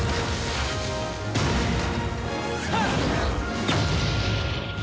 ハッ！